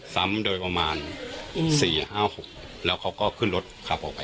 ซ้ำโดยประมาณ๔๕๖แล้วเขาก็ขึ้นรถขับออกไป